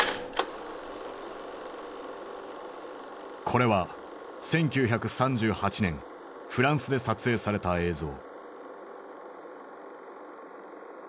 これは１９３８年フランスで撮影された映像。